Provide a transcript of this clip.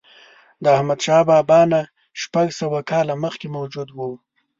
د احمدشاه بابا نه شپږ سوه کاله مخکې موجود و.